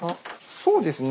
そうですね。